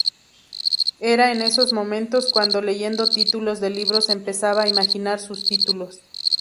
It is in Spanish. Era en esos momentos cuando leyendo títulos de libros empezaba a imaginar sus títulos.